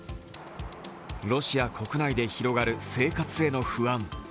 ロシア国内で広がる生活への不安。